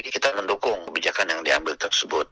kita mendukung kebijakan yang diambil tersebut